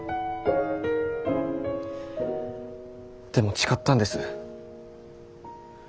でも誓ったんです。